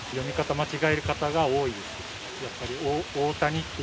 間違える方が多いです。